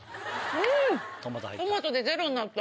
うん！